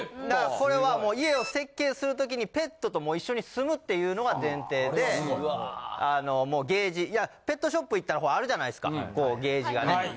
だからこれはもう家を設計する時にペットと一緒に住むっていうのが前提であのもうケージペットショップ行ったらあるじゃないですかこうケージがね